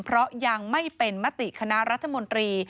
เพราะยังไม่เป็นมติคณะรัฐมนตรี